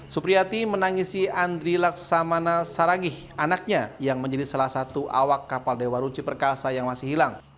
supriyati menangisi andri laksamana saragih anaknya yang menjadi salah satu awak kapal dewa ruci perkasa yang masih hilang